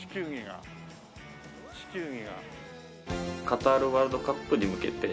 カタールワールドカップに向けて。